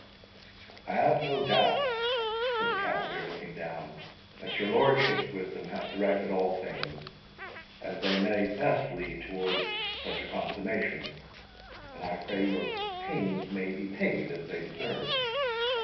"I have no doubt," said the cavalier, looking down, "that your lordship's wisdom hath directed all things as they may best lead towards such a consummation; and I pray your pains may be paid as they deserve."